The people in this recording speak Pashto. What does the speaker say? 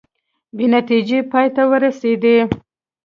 بې نتیجې پای ته ورسیدې